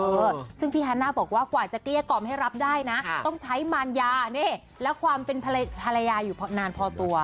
เออซึ่งพี่ฮาน่าบอกว่ากว่าจะเกลี้ยกล่อมให้รับได้นะต้องใช้มารยานี่แล้วความเป็นภรรยาอยู่นานพอตัว